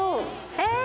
えっ！